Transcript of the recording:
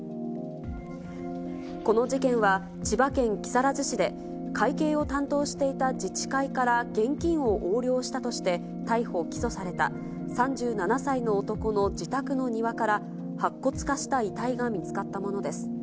この事件は、千葉県木更津市で、会計を担当していた自治会から現金を横領したとして、逮捕・起訴された３７歳の男の自宅の庭から、白骨化した遺体が見つかったものです。